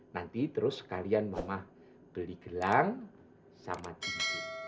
nanti terus sekalian mama beli gelang sama cinti